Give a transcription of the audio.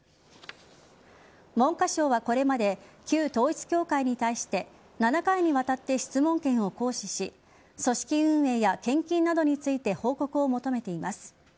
文科省はこれまで旧統一教会に対して７回にわたって、質問権を行使し組織運営や献金などについて報告を求めています。